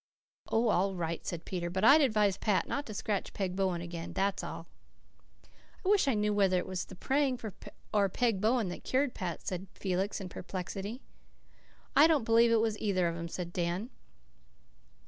"Oh, all right," said Peter, "but I'd advise Pat not to scratch Peg Bowen again, that's all." "I wish I knew whether it was the praying or Peg Bowen that cured Pat," said Felix in perplexity. "I don't believe it was either of them," said Dan.